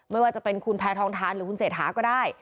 ไม่ว่าจะเป็นคุณแพทองทานหรือคุณเศรษฐาก็ได้